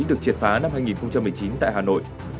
được triệt phá năm hai nghìn một mươi chín tại hà nội